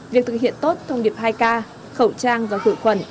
việc thực hiện tốt thông điệp hai k khẩu trang và khử khuẩn